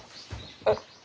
えっ？